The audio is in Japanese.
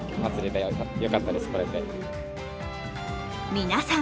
皆さん